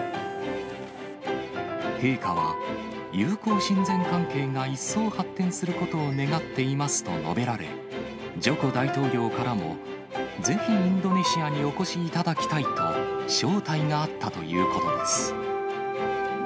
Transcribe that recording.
陛下は、友好親善関係が一層発展することを願っていますと述べられ、ジョコ大統領からも、ぜひインドネシアにお越しいただきたいと、招待があったということです。